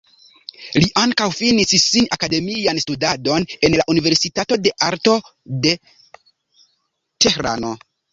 Li ankaŭ finis sian akademian studadon en la universitato de arto de Tehrano.